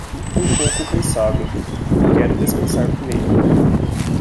Um pouco cansado, quero descansar primeiro.